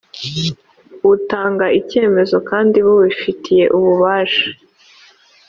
butanga icyemezo kandi bubifitiye ububasha